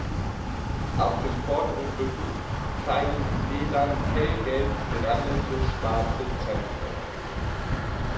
Auf dem vorderen Rücken zeigen die Federn hellgelb gerandete, schwarze Zentren.